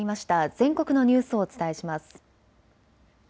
全国のニュースをお伝えします。